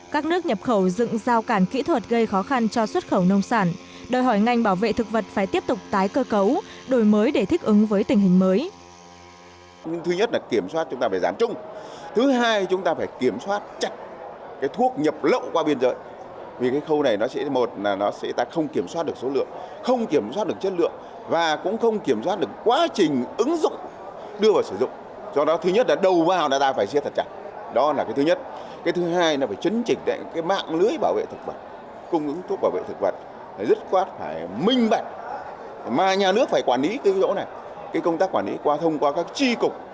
các nước nhập khẩu dựng giao cản kỹ thuật gây khó khăn cho xuất khẩu nông sản đời hỏi ngành bảo vệ thực vật phải tiếp tục tái cơ cấu đổi mới để thích ứng với tình hình mới